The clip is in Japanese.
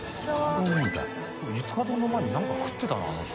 戸次）五日丼の前に何か食ってたなあの人。